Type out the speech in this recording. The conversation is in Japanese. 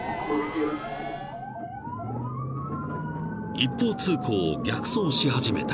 ［一方通行を逆走し始めた］